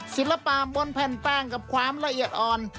ศิลปะบนแผ่นแป้งกับความละเอียดอ่อน